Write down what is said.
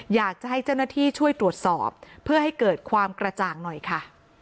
อยากจะให้เจ้าหน้าที่ช่วยตรวจสอบเพื่อให้เกิดความกระจ่างหน่อยค่ะ